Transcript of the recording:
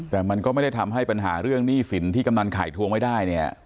แต่มันก็ไม่ได้ทำให้ปัญหาเรื่องหนี้สินที่กำนันไข่ทวงไม่ได้เนี่ย